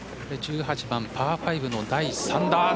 １８番パー５の第３打。